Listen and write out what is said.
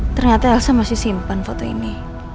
hai ternyata saya masih simpan foto ini